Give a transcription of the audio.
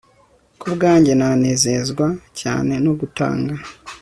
ku bwanjye nanezezwa cyane no gutanga